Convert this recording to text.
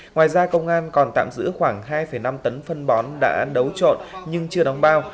ngoài ra công an còn tạm giữ khoảng hai năm tấn phân bón đã đấu trộn nhưng chưa đóng bao